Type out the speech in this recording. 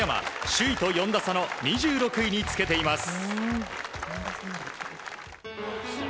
首位と４打差の２６位につけています。